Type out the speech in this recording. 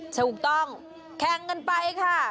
ถูกต้องแข่งกันไปค่ะ